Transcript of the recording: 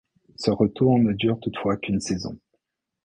Ce retour ne dure toutefois qu'une saison.